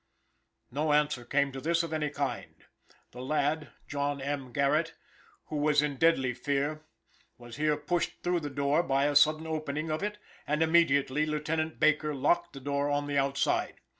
No answer came to this of any kind. The lad, John M. Garrett, who was in deadly fear, was here pushed through the door by a sudden opening of it, and immediately Lieutenant Baker locked the door on the outside.